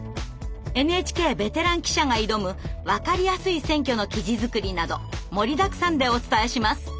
ＮＨＫベテラン記者が挑む分かりやすい選挙の記事作りなど盛りだくさんでお伝えします！